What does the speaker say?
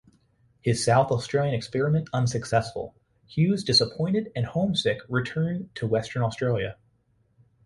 His South Australian experiment unsuccessful, Hughes-disappointed and homesick-returned to Western Australia.